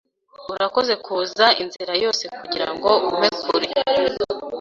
Urakoze kuza inzira yose kugirango umpe kure.